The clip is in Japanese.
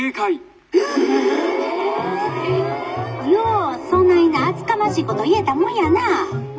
「ようそないな厚かましいこと言えたもんやな。